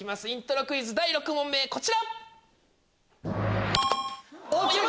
イントロクイズ第７問こちら！